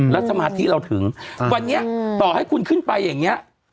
แล้วสมาธิเราถึงวันนี้ต่อให้คุณขึ้นไปอย่างนี้